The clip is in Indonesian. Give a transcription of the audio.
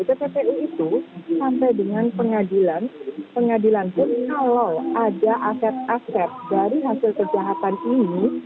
pppu itu sampai dengan pengadilan pengadilan pun kalau ada aset aset dari hasil kejahatan ini